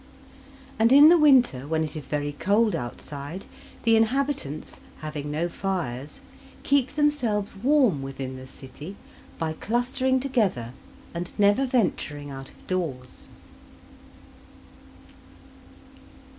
And in the winter, when it is very cold outside, the inhabitants, having no fires, keep themselves warm within the city by clustering together, and never venturing out of doors.